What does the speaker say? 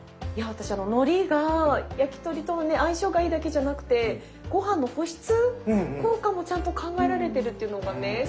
いや私あののりが焼き鳥と相性がいいだけじゃなくてごはんの保湿効果もちゃんと考えられてるっていうのがね